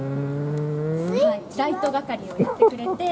ライト係をやってくれて。